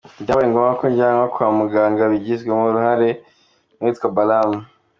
Byabaye ngombwa ko ajyanwa kwa muganga bigizwemo uruhare n’uwitwa Balaam.